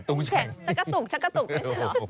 ชักกะตุกใช่หรือ